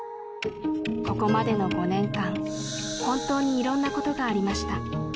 「ここまでの５年間本当にいろんなことがありました」